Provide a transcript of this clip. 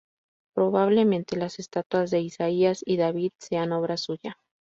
Probablemente, las estatuas de Isaías y David sean obra suya.